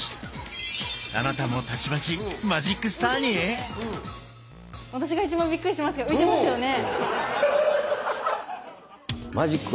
あなたもたちまちマジックスターに⁉私が一番びっくりしてますけど浮いてますよね？